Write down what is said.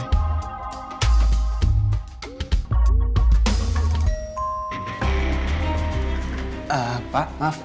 eh pak maaf